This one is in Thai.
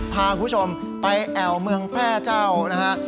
พาคุณผู้ชมไปแอวเมืองแพร่เจ้านะฮะ